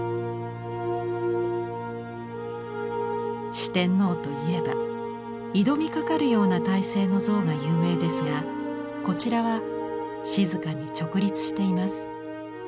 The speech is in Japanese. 四天王といえば挑みかかるような体勢の像が有名ですがこちらは静かに直立しています。